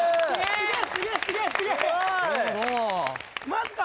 マジか！